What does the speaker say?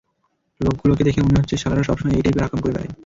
লোকগুলোকে দেখে মনে হচ্ছে শালারা সবসময় এই টাইপের আকাম করে বেড়ায়।